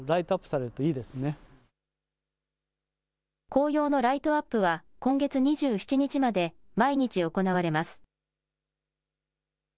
紅葉のライトアップは今月２７日まで毎日行われます。